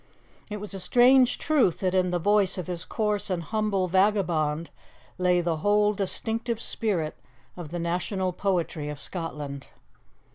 It was a strange truth that, in the voice of this coarse and humble vagabond, lay the whole distinctive spirit of the national poetry of Scotland.